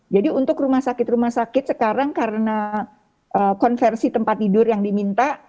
jadi untuk rumah sakit rumah sakit sekarang karena konversi tempat tidur yang diminta